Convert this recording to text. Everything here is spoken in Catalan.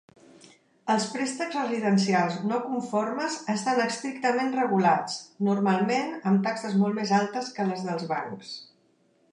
Els préstecs residencials no conformes estan estrictament regulats, normalment amb taxes molt més altes que les dels bancs.